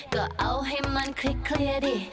ก็เอาให้มันเคลียร์ดิ